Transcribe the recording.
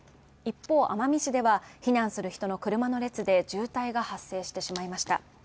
一方奄美市では避難する人の車の列で渋滞が発生してしまいました